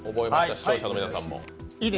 視聴者の皆さんも。